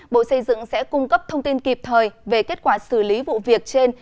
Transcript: bộ xây dựng sẽ cung cấp thông tin kịp thời về kết quả xử lý vụ việc trên